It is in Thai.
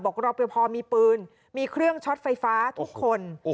บอกว่าเรามีพื้นมีเครื่องช็อตไฟฟ้าทุกคน